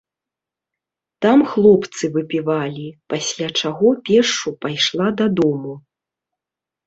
Там хлопцы выпівалі, пасля чаго пешшу пайшла дадому.